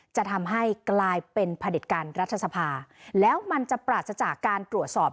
จะทำให้กลายเป็นผลิตการรัฐสภาแล้วมันจะปราศจากการตรวจสอบ